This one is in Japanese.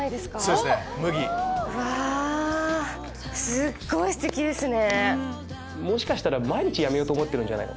すっごいステキですね！